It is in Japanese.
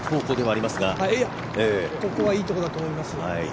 ここはいいところだと思います。